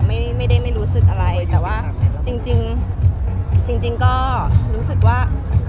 ไม่ได้ไม่รู้สึกอะไรแต่ว่าจริงจริงก็รู้สึกว่า